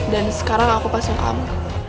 dan sekarang aku pasung kamu